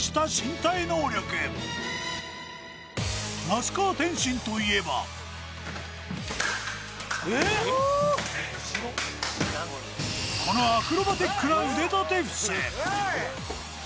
那須川天心といえばこのアクロバティックな腕立て伏せ。